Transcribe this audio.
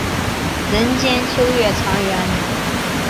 人间秋月长圆。